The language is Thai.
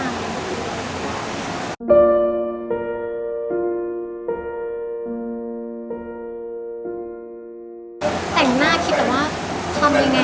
นาวยากษ์ก็ไม่ว่า